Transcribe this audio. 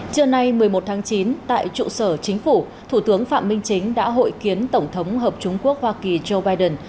trưa nay một mươi một tháng chín tại trụ sở chính phủ thủ tướng phạm minh chính đã hội kiến tổng thống hợp chúng quốc hoa kỳ joe biden